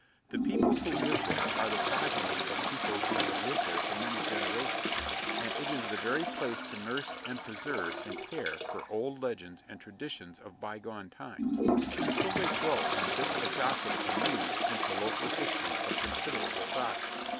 The people who live there are the progeny of people who have lived there for many generations, and it is the very place to nurse, and preserve, and care for old legends and traditions of bygone times, until they grow from bits of gossip and news into local history of considerable size.